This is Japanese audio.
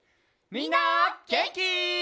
みんなげんき？